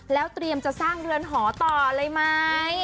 แล้วเตรียมจะสร้างเดือนหอต่ออะไรมั้ย